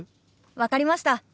分かりました。